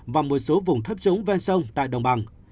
và một số vùng thấp trũng ven sông tại đồng bằng